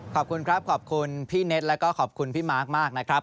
ขอบคุณครับขอบคุณพี่เน็ตแล้วก็ขอบคุณพี่มาร์คมากนะครับ